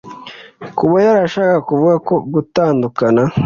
kuba yarashakaga kuvuga ko gutandukana